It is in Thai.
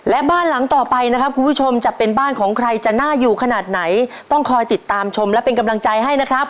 และบ้านหลังต่อไปนะครับคุณผู้ชมจะเป็นบ้านของใครจะน่าอยู่ขนาดไหนต้องคอยติดตามชมและเป็นกำลังใจให้นะครับ